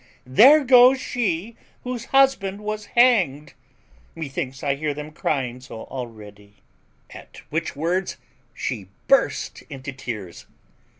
THERE GOES SHE WHOSE HUSBAND WAS HANGED: methinks I hear them crying so already." At which words she burst into tears.